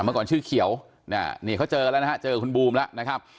เมื่อก่อนชื่อเขียวนี่เขาเจอแล้วนะฮะเจอคุณบูมแล้วนะครับ